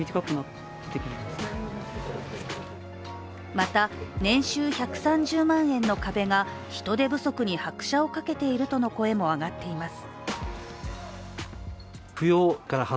また、年収１３０万円の壁が人手不足に拍車をかけているとの声も上がっています。